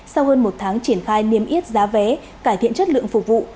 sau hơn một tháng triển khai niêm yết giá vé cải thiện chất lượng phục vụ